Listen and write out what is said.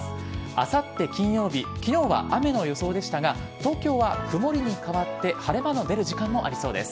あさって金曜日昨日は雨の予想でしたが東京は曇りにかわって晴れ間の出る時間もありそうです。